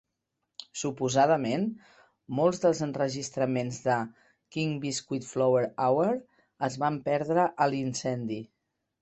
Suposadament, molts dels enregistraments de "King Biscuit Flower Hour" es van perdre a l'incendi.